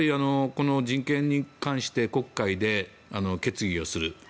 人権に関して国会で決議をする。